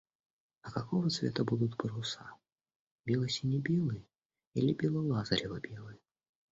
А какого цвета будут паруса? Бело-сине-белые или бело-лазорево-белые?